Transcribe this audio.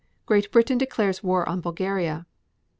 Great Britain declares war on Bulgaria.